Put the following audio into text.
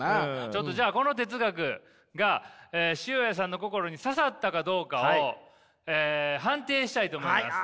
ちょっとじゃあこの哲学が塩屋さんの心に刺さったかどうかを判定したいと思います。